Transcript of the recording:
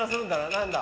何だ？